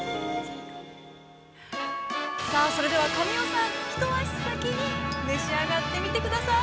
◆さあ、それでは神尾さん、一足先に召し上がってみてください。